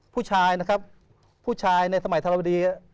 ผู้ชายนะครับผู้ชายในสมัยธรวดี